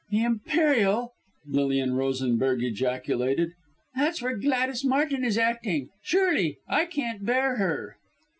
"The Imperial!" Lilian Rosenberg ejaculated. "That's where Gladys Martin is acting, surely! I can't bear her!"